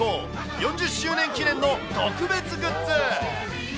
４０周年記念の特別グッズ。